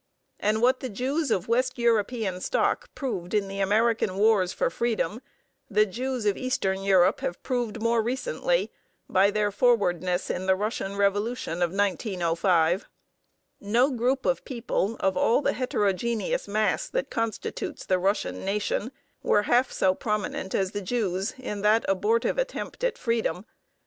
(2) And what the Jews of West European stock proved in the American wars for freedom the Jews of Eastern Europe have proved more recently, by their forwardness in the Russian revolution of 1905. (2) See The Jews in America, by Rev. Madison C. Peters. No group of people of all the heterogeneous mass that constitutes the Russian nation were half so prominent as the Jews in that abortive attempt at freedom.